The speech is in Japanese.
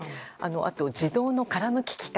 あと、自動の殻むき機械